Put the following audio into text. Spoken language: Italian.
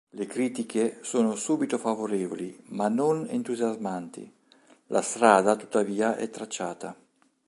Le critiche sono subito favorevoli, ma non entusiasmanti; la strada tuttavia è tracciata.